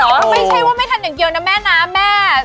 ไม่ใช่ว่าไม่ทันอย่างเดียวนะแม่นะแม่